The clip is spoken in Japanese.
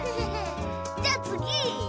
じゃあつぎ！